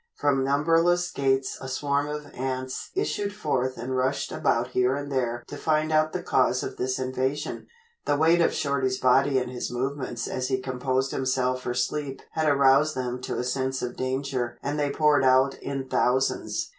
From numberless gates a swarm of ants issued forth and rushed about here and there to find out the cause of this invasion. The weight of Shorty's body and his movements as he composed himself for sleep had aroused them to a sense of danger and they poured out in thousands.